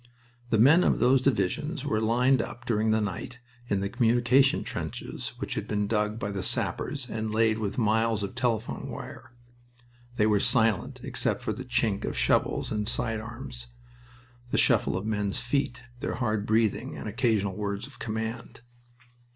The men of those divisions were lined up during the night in the communication trenches, which had been dug by the sappers and laid with miles of telephone wire. They were silent, except for the chink of shovels and side arms, the shuffle of men's feet, their hard breathing, and occasional words of command.